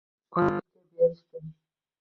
O'n besh sutka berishdi.